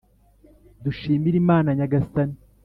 dushimire imana nyagasani